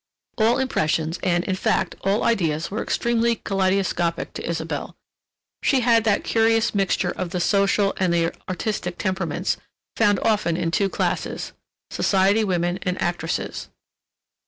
All impressions and, in fact, all ideas were extremely kaleidoscopic to Isabelle. She had that curious mixture of the social and the artistic temperaments found often in two classes, society women and actresses.